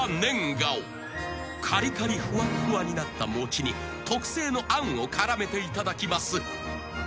［かりかりふわふわになった餅に特製のあんを絡めていただきます］